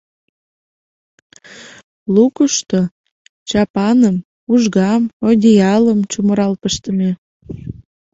Лукышто чапаным, ужгам, одеялым чумырал пыштыме.